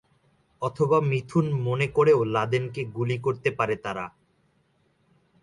অথবা মিথুন মনে করেও লাদেনকে গুলি করতে পারে তারা।